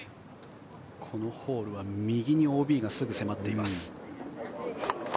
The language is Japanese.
このホールは右にＯＢがすぐ迫っています。